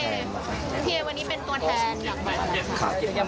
แต่เดี๋ยวพี่ยังมาไหม